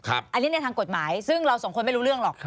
อันนี้ในทางกฎหมายซึ่งเราสองคนไม่รู้เรื่องหรอก